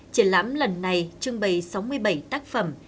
triển lãm lần này trưng bày sáu mươi bảy tác phẩm